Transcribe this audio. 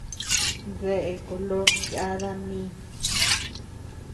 ¿Dae color yada mi?